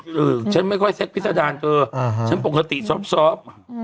ที่หน้าอกก็มีด้วยนะครับ